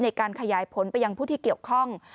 ในการขยายผลไปยังผู้ที่เกี่ยวข้อง